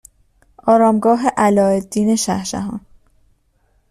آرامگاه علاءالدین شهشهان